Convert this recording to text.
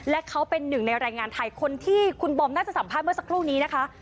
และเขาเป็นหนึ่งในแรงงานไทยคนที่คุณบอมน่าจะสัมภาษณ์เมื่อสักครู่นี้นะคะ